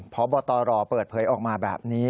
พบตรเปิดเผยออกมาแบบนี้